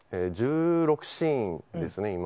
１６シーンですね、今。